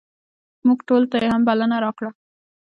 موږ ټولو ته یې هم بلنه راکړه.